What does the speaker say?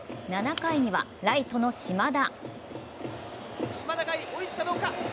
７回にはライトの島田。